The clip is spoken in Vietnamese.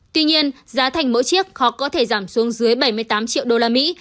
tuy nhiên giá thành mỗi chiếc khó có thể giảm xuống dưới bảy mươi tám triệu usd